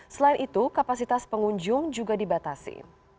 selain itu kapasitas pengunjung juga dibatasi